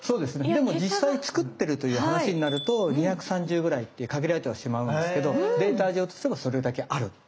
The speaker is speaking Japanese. でも実際作ってるという話になると２３０ぐらいって限られてはしまうんですけどデータ上としてもそれだけある。